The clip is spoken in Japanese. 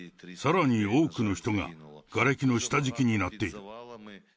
さらに多くの人ががれきの下敷きになっている。